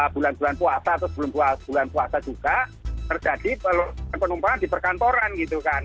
bulan bulan puasa atau sebelum bulan puasa juga terjadi penumpangan di perkantoran gitu kan